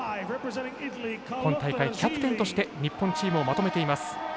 今大会キャプテンとして日本チームをまとめています。